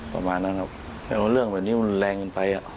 ประมาณนั้นครับแต่ว่าเรื่องแรงกันไป